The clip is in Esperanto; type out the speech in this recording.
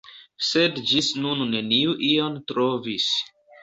Sed ĝis nun neniu ion trovis.